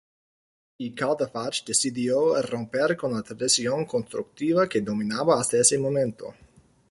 Puig i Cadafalch decidió romper con la tradición constructiva que dominaba hasta ese momento.